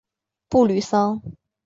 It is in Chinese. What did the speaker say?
布吕桑。